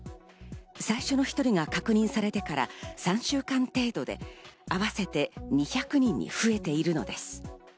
最初の１人が確認されてから３週間程度で合わせて２００人に増えているのです。